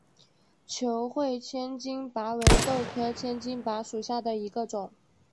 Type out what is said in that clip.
球穗千斤拔为豆科千斤拔属下的一个种。